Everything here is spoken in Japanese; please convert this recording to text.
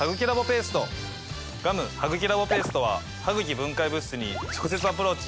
ガム・ハグキラボペーストはハグキ分解物質に直接アプローチ。